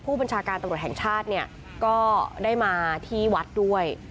ผู้บัญชาการตำรวจแห่งชาติเนี่ยก็ได้มาที่วัดด้วย